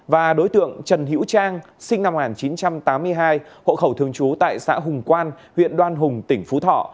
và đối tượng trần hiễu trang sinh năm một nghìn chín trăm tám mươi hai hộ khẩu thường trú tại xã hùng quan huyện đoan hùng tỉnh phú thọ